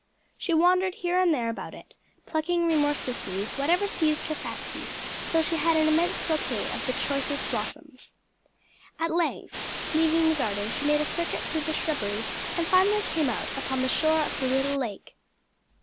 She wandered here and there about it, plucking remorselessly whatever seized her fancy, till she had an immense bouquet of the choicest blossoms. At length leaving the garden she made a circuit through the shrubbery, and finally came out upon the shore of the little lake.